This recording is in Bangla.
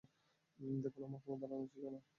দেখুন, আমার কোনো ধারণা ছিল না।